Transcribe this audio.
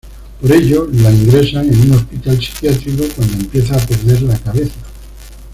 Por ello la ingresan en un hospital psiquiátrico cuando empieza a perder la cabeza.